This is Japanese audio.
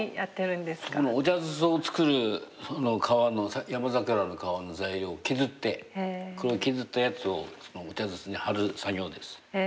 今お茶筒を作る山桜の皮の材料を削ってこれを削ったやつをお茶筒に張る作業です。